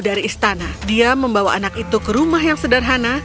dia membawa anak itu ke rumah yang sederhana